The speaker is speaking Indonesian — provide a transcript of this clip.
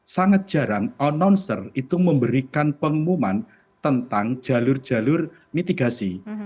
sangat jarang nonser itu memberikan pengumuman tentang jalur jalur mitigasi